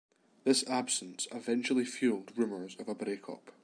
This absence eventually fueled rumors of a break-up.